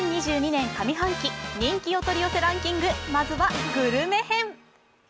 ２０２２年上半期人気お取り寄せランキング、まずはグルメ編。